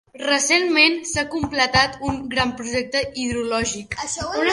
Recentment, s"ha completat un gran projecte hidrològic.